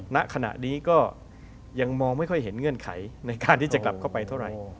ณขณะนี้ก็ยังมองไม่ค่อยเห็นเงื่อนไขในการที่จะกลับเข้าไปเท่าไหร่